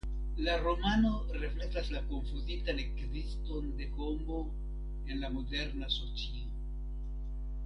La romano reflektas la konfuzitan ekziston de homo en la moderna socio.